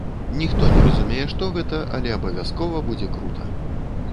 Ніхто не разумее, што гэта, але абавязкова будзе крута!